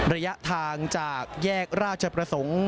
ระยะทางจากแยกราชประสงค์